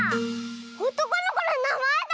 おとこのこのなまえだ！